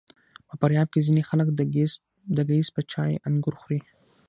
په فاریاب کې ځینې خلک د ګیځ په چای انګور خوري.